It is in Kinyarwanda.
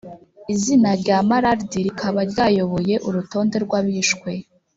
izina rya mallard rikaba ryayoboye urutonde rw "abishwe."